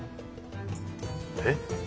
えっ？